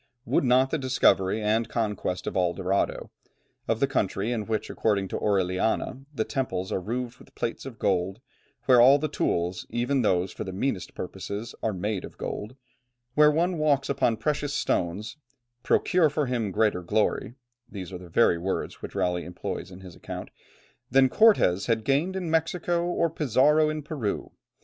Would not the discovery and conquest of El Dorado, of the country in which according to Orellana, the temples are roofed with plates of gold, where all the tools, even those for the meanest purposes, are made of gold, where one walks upon precious stones, "procure for him greater glory," these are the very words which Raleigh employs in his account, "than Cortès had gained in Mexico, or Pizarro in Peru.